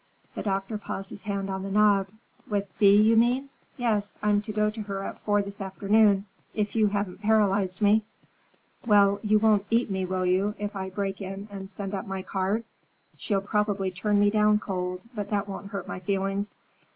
The doctor paused, his hand on the knob. "With Thea, you mean? Yes. I'm to go to her at four this afternoon—if you haven't paralyzed me." "Well, you won't eat me, will you, if I break in and send up my card? She'll probably turn me down cold, but that won't hurt my feelings.